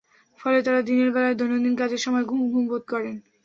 ফলে তাঁরা দিনের বেলায় দৈনন্দিন কাজের সময় ঘুম ঘুম বোধ করেন।